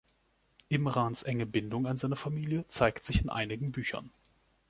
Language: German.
Imrans enge Bindung an seine Familie zeigt sich in einigen Büchern.